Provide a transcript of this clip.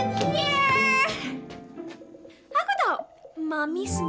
mama papa aku disini